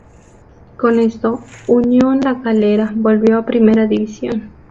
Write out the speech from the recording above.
Con esto, Unión La Calera volvió a Primera División.